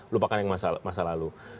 lupakan yang masa lalu